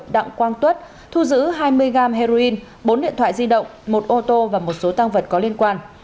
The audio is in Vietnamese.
đặng quang tuất thu giữ hai mươi gam heroin bốn điện thoại di động một ô tô và một số tăng vật có liên quan